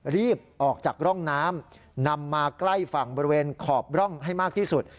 รีบออกจากร่องน้ำนำมาใกล้ฝั่งบริเวณขอบร่องให้มากที่สุด